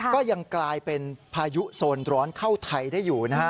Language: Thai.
ก็ยังกลายเป็นพายุโซนร้อนเข้าไทยได้อยู่นะฮะ